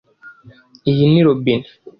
iyi ni robine